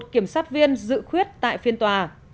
một kiểm soát viên dự khuyết tại phiên tòa